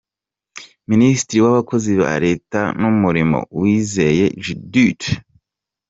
Minisitiri w’Abakozi ba Leta n’Umurimo : Uwizeye Judith